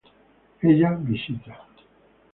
Ella visita